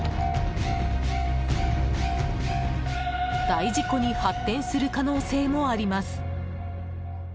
大事故に発展する可能性もあります。